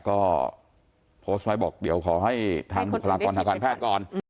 ก็โพสต์ไว้บอกเดี๋ยวขอให้ทางบุคลากรทางการแพทย์ก่อน